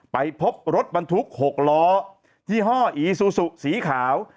ไปพบรถบรรทุก๖ล้อยี่ห้ออีซูซูสีขาว